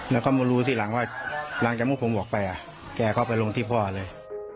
แล้วก็รู้ที่หลังว่าหลังจากมุมผมออกไปแกะเข้าไปลงที่พ่อเลย